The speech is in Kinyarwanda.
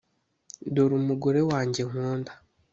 dore mugore wanjye nkunda